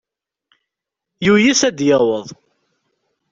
Yuyes ad yaweḍ.